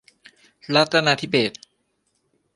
รัตนาธิเบศร์